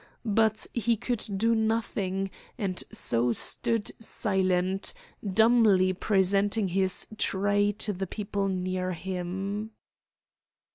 But he could do nothing, and so stood silent, dumbly presenting his tray to the people near him.